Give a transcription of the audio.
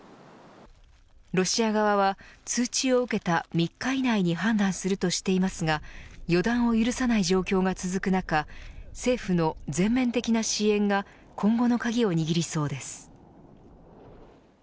ロシア側は通知を受けた３日以内に判断するとしていますが予断を許さない状況が続く中政府の全面的な支援が今後の鍵を握りそうです。